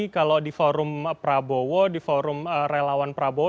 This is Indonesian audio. kalau di forum prabowo di forum relawan prabowo